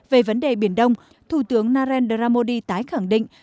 về vấn đề biển đông thủ tướng narendra modi tái khẳng định